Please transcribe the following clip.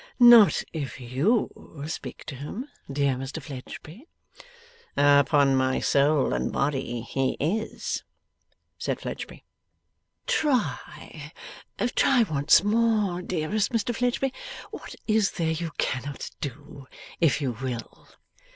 'Not if YOU speak to him, dear Mr Fledgeby.' 'Upon my soul and body he is!' said Fledgeby. 'Try. Try once more, dearest Mr Fledgeby. What is there you cannot do, if you will!